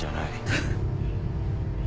フッ。